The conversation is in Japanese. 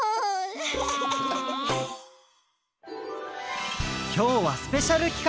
きょうはスペシャルきかく！